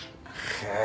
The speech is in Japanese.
へえ！